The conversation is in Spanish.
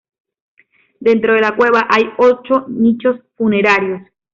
Dentro de la cueva hay ocho nichos funerarios.